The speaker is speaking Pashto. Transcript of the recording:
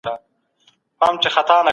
حقیقت باید په منصفانه ډول بیان سي.